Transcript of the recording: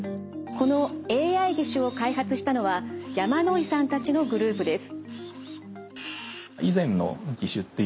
このＡＩ義手を開発したのは山野井さんたちのグループです。